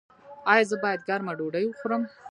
ایا زه باید ګرمه ډوډۍ وخورم؟